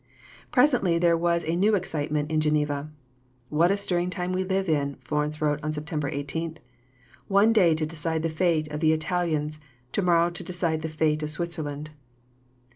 Presently there was a new excitement in Geneva. "What a stirring time we live in," Florence wrote on September 18; "one day to decide the fate of the Italians, to morrow to decide the fate of Switzerland."